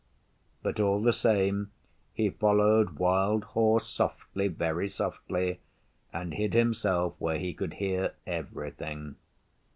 But all the same he followed Wild Horse softly, very softly, and hid himself where he could hear everything.